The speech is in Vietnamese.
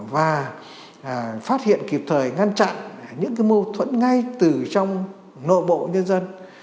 và phát hiện kịp thời ngăn chặn những cái mô thuẫn ngay từ trong nội bộ nhân dân